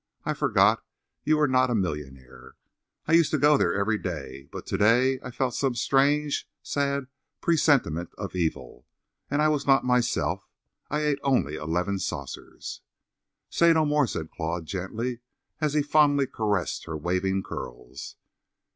I forgot you were not a millionaire. I used to go there every day. But to day I felt some strange, sad presentiment of evil, and I was not myself. I ate only eleven saucers." "Say no more," said Claude, gently as he fondly caressed her waving curls.